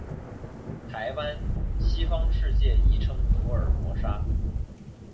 台湾，西方世界亦称福尔摩沙。